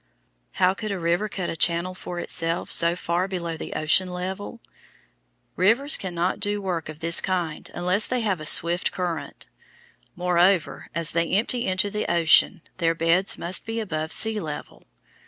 How could a river cut a channel for itself so far below the ocean level? Rivers cannot do work of this kind unless they have a swift current; moreover, as they empty into the ocean, their beds must be above sea level.